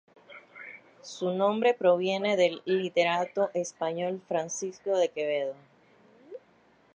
Su nombre proviene del literato español Francisco de Quevedo.